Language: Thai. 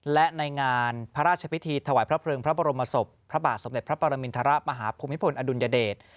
และในงานพระราชพิธีถวายพระเพลิงพระบรมศพพระบาทสมเด็จพระปรมินทรมาฮภูมิพลอดุลยเดช